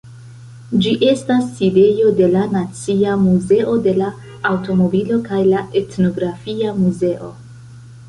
Ĝi estas sidejo de la Nacia Muzeo de la Aŭtomobilo kaj la Etnografia Muzeo.